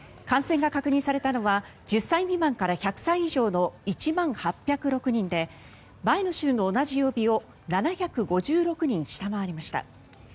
感染が確認されたのは１０歳未満から１００歳以上の１万８０６人で前の週の同じ曜日を７５６人下回りました。